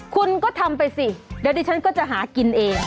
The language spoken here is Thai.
คุณก็ทำไปสิแล้วที่ฉันก็จะหากินเอง